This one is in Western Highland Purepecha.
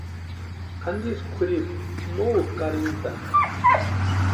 Antisï kwʼiripu no úkʼi arhintani.